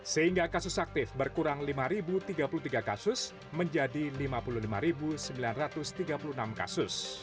sehingga kasus aktif berkurang lima tiga puluh tiga kasus menjadi lima puluh lima sembilan ratus tiga puluh enam kasus